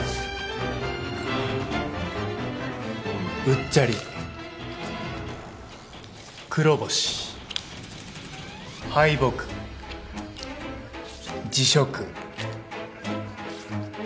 「うっちゃり」「黒星」「敗北」「辞職」